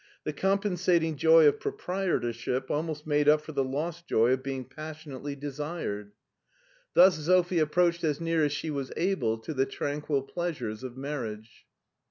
The compensating joy of proprietorship almost made up for the lost joy of being passionately desired. Thus 278 MARTIN SCHULER Sophie approached as near as she was able to the tran quil pleasures of marriage.